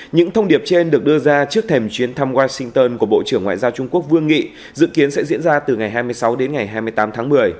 những thông điệp trên được đưa ra trước thềm chuyến thăm washington của bộ trưởng ngoại giao trung quốc vương nghị dự kiến sẽ diễn ra từ ngày hai mươi sáu đến ngày hai mươi tám tháng một mươi